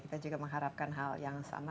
kita juga mengharapkan hal yang sama